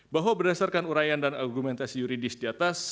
bahwa berdasarkan urayan dan argumentasi yuridis di atas